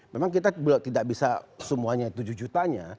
memang kita tidak bisa semuanya tujuh jutanya